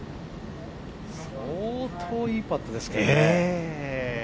相当、いいパットですけどね。